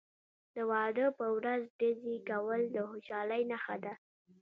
د واده په ورځ ډزې کول د خوشحالۍ نښه ده.